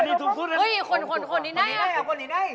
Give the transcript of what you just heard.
อันนี้ถูกนะโอ้วคนคนอีน้ายนะคนที่น้าย